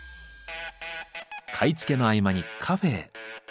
買い付けの合間にカフェへ。